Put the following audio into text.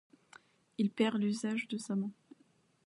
Il perd l'usage de sa main.